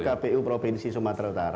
ada masuk ke kpu provinsi sumatera utara